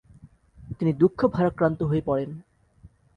তিনি দুঃখ ভারাক্রান্ত হয়ে পড়েন।